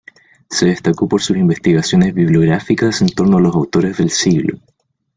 Se destacó por sus investigaciones bibliográficas en torno a los autores del siglo.